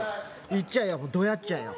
言っちゃえよドヤっちゃえよ